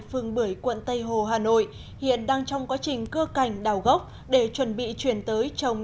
phường bưởi quận tây hồ hà nội hiện đang trong quá trình cưa cảnh đào gốc để chuẩn bị chuyển tới trồng